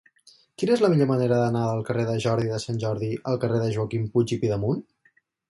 Quina és la millor manera d'anar del carrer de Jordi de Sant Jordi al carrer de Joaquim Puig i Pidemunt?